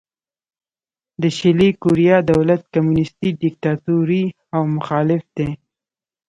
د شلي کوریا دولت کمونیستي دیکتاتوري او مخالف دی.